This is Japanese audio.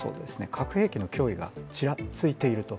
核兵器の脅威がちらついていると。